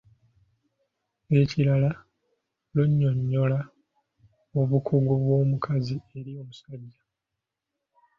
Ekirala, lunnyonnyola obukulu bw’omukazi eri omusajja